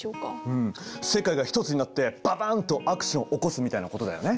うん世界が一つになってババンとアクション起こすみたいなことだよね。